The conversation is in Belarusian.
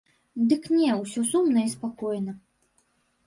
Дык не, усё сумна і спакойна.